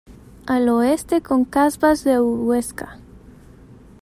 Al oeste con Casbas de Huesca.